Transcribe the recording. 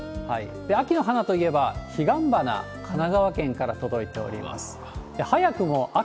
秋の花といえば、ヒガンバナ、神奈川県から届いております。